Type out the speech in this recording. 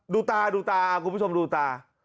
ดูตาดูตาคุณผู้ชมดูตา